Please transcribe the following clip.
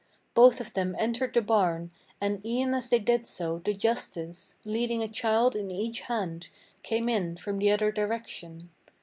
Both of them entered the barn; and, e'en as they did so, the justice, Leading a child in each hand, came in from the other direction.